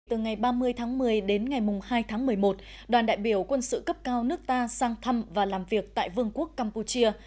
từ ngày ba mươi tháng một mươi đến ngày hai tháng một mươi một đoàn đại biểu quân sự cấp cao nước ta sang thăm và làm việc tại vương quốc campuchia